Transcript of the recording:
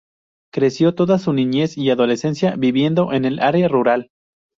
Creció toda su niñez y adolescencia, viviendo en el área rural.